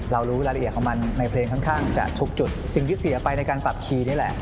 รู้รายละเอียดของมันในเพลงค่อนข้างจะทุกจุดสิ่งที่เสียไปในการปรับคีย์นี่แหละ